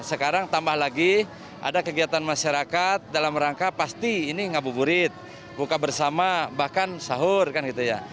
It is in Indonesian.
sekarang tambah lagi ada kegiatan masyarakat dalam rangka pasti ini ngabuburit buka bersama bahkan sahur kan gitu ya